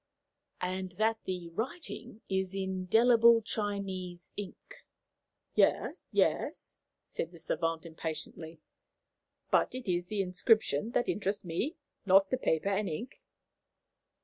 "And that the writing is in indelible Chinese ink?" "Yes, yes," said the savant impatiently; "but it is the inscription that interests me, not the paper and ink."